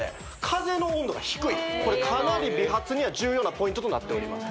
風の温度が低いこれかなり美髪には重要なポイントとなっております